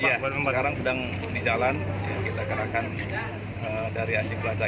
iya sekarang sedang di jalan kita kerahkan dari anjing pelacak